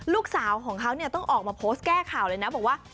ลูกสาวของเขาเนี่ยต้องออกมาโพสต์แก้ข่าวเลยนะบอกว่า